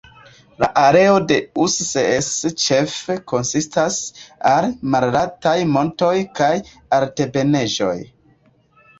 La areo de Ussel ĉefe konsistas el malaltaj montoj kaj altebenaĵoj.